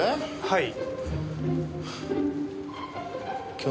はい。